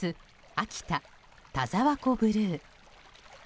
秋田・田沢湖ブルー。